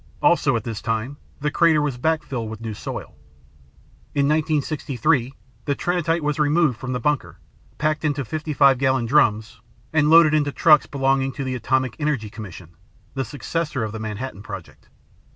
Also at this time the crater was back filled with new soil. In 1963 the Trinitite was removed from the bunker, packed into 55 gallon drums, and loaded into trucks belonging to the Atomic Energy Commission (the successor of the Manhattan Project).